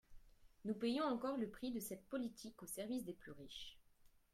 Nous payons encore le prix de cette politique au service des plus riches.